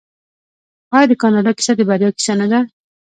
آیا د کاناډا کیسه د بریا کیسه نه ده؟